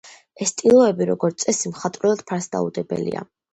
ეს ტილოები, როგორც წესი, მხატვრულად ფასდაუდებელია.